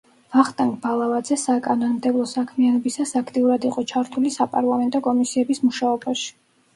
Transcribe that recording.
ვახტანგ ბალავაძე საკანონმდებლო საქმიანობისას აქტიურად იყო ჩართული საპარლამენტო კომისიების მუშაობაში.